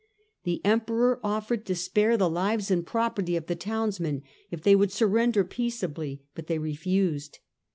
The Emperor offered to spare the lives and property of the townsmen if they would surrender peaceably but they refused.